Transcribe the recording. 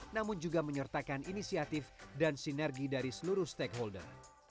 namun juga menyertakan inisiatif dan sinergi dari seluruh stakeholder